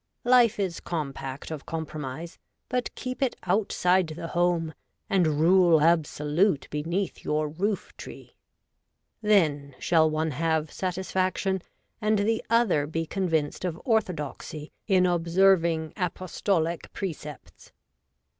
Life is compact of compromise, but keep it out side the home and rule absolute beneath your roof tree. Then shall one have satisfaction and the other be convinced of orthodoxy in observing apostolic precepts.